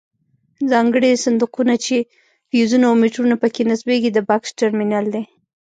ځانګړي صندوقونه چې فیوزونه او میټرونه پکې نصبیږي د بکس ټرمینل دی.